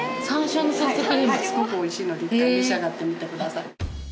すごくおいしいので１回召し上がってみてください。